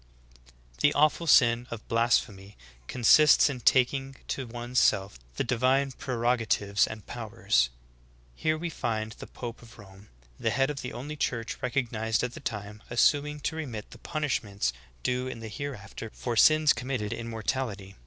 20. The awful sin of blasphemy consists in taking to one's self the divine prerogatives and powers. Here we find the pope of Rome, the head of the only church recognized at the time, assuming to remit the punishments due in the hereafter for sins committed in mortality.